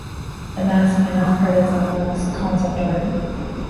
Amassing enough credits unlocks concept art.